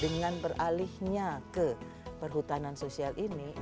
dengan beralihnya ke perhutanan sosial ini